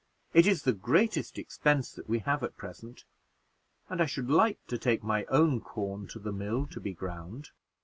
It is the greatest expense that we have at present, and I should like to take my own corn to the mill to be ground."